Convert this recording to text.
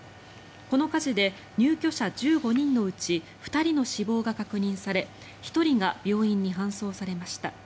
この火事で入居者１５人のうち２人の死亡が確認され１人が病院に搬送されました。